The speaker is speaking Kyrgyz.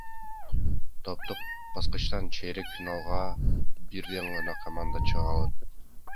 Топтук баскычтан чейрек финалга бирден гана команда чыга алат.